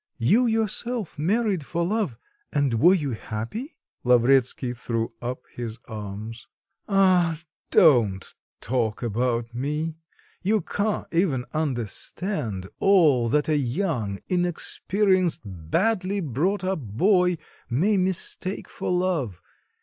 You yourself married for love, and were you happy?" Lavretsky threw up his arms. "Ah, don't talk about me! You can't even understand all that a young, inexperienced, badly brought up boy may mistake for love!